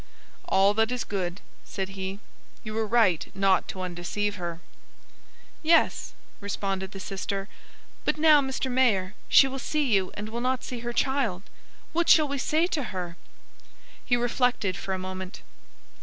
"All that is good," said he; "you were right not to undeceive her." "Yes," responded the sister; "but now, Mr. Mayor, she will see you and will not see her child. What shall we say to her?" He reflected for a moment.